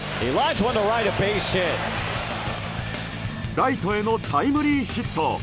ライトへのタイムリーヒット。